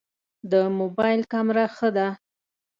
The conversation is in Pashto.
د موبایل کمره ښه ده؟